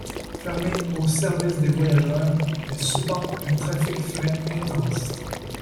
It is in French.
Fermée au service des voyageurs, elle supporte un trafic fret intense.